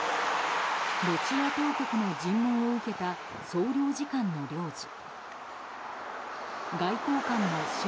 ロシア当局の尋問を受けた総領事館の領事。